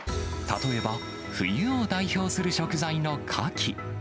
例えば、冬を代表する食材のカキ。